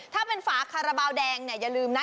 ถ้าเป็นฝาคาราบาลแดงเนี่ยอย่าลืมนะ